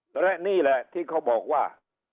และนี่แหละที่เขาบอกว่า